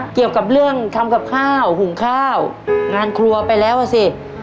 เกี่ยวกับเรื่องทำกับข้าวหุงข้าวงานครัวไปแล้วอ่ะสิ